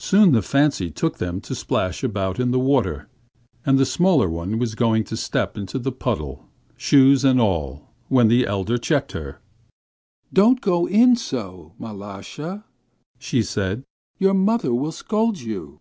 Soon the fancy took them to splash about in the water, and the smaller one was going to step into the puddle, shoes and all, when the elder checked her: 'Don't go in so, Mal√°sha,' said she, 'your mother will scold you.